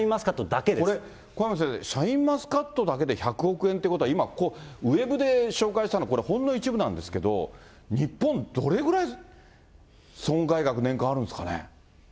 これ、小山先生、シャインマスカットだけで１００億円ということは、今、ウェブで紹介したの、ほんの一部なんですけど、日本、どれぐらい損害額、年間あるんですかね。